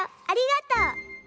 ありがとう。